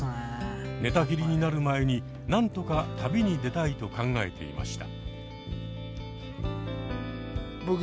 寝たきりになる前に何とか旅に出たいと考えていました。